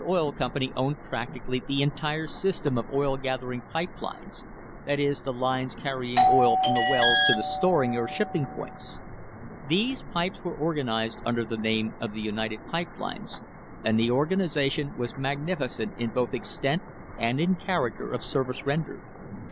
[2 4 ] THE FIGHT FOR THE SEABOARD PIPE LINE Company owned practically the entire system of oil gathering pipe lines that is, the lines carrying oil from the wells to the storing or shipping points. These lines were organised under the name of the United Pipe Lines, and the organisation was magnificent in both extent and in character of service ren dered.